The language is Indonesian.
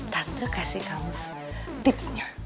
tante kasih kamu tipsnya